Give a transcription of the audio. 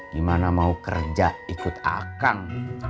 gimana mau kerja ikut akang